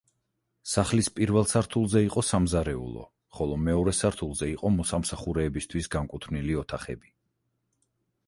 სახლის პირველ სართულზე იყო სამზარეულო, ხოლო მეორე სართულზე იყო მოსამსახურეებისთვის განკუთვნილი ოთახები.